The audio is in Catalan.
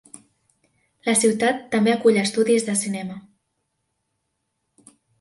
La ciutat també acull estudis de cinema.